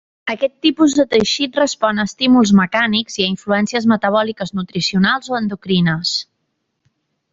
Aquest tipus de teixit respon a estímuls mecànics i a influències metabòliques nutricionals o endocrines.